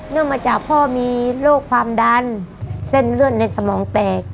มาจากพ่อมีโรคความดันเส้นเลือดในสมองแตก